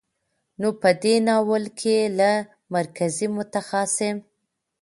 نو په دې ناول کې له مرکزي، متخاصم،